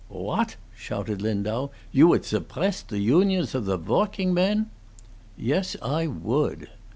"What!" shouted Lindau. "You would sobbress the unionss of the voarking men?" "Yes, I would."